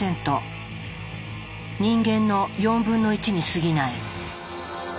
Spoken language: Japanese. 人間の４分の１にすぎない。